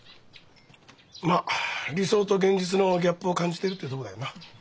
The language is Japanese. まあ理想と現実のギャップを感じてるってとこだよな？